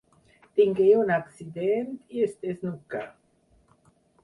Tingué un accident i es desnucà.